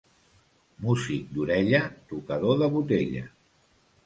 Músic d'orella, tocador de botella.